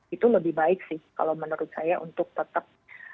itu lebih baik sih kalau menurut saya untuk tetap